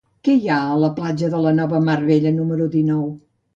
Què hi ha a la platja de la Nova Mar Bella número dinou?